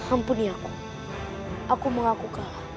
ampuni aku aku mengaku kalah